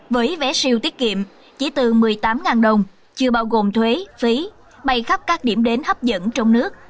với vé siêu tiết kiệm chỉ từ một mươi tám đồng chưa bao gồm thuế phí bay khắp các điểm đến hấp dẫn trong nước